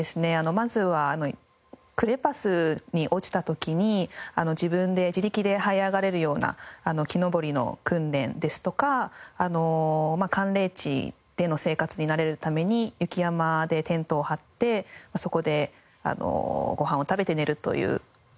まずはクレバスに落ちた時に自力ではい上がれるような木登りの訓練ですとか寒冷地での生活に慣れるために雪山でテントを張ってそこでご飯を食べて寝るという訓練をしました。